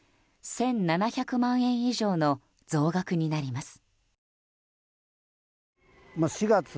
１７００万円以上の増額になります。